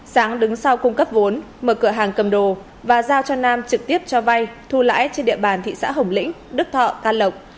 sáng đứng sau cung cấp vốn mở cửa hàng cầm đồ và giao cho nam trực tiếp cho vay thu lãi trên địa bàn thị xã hồng lĩnh đức thọ can lộc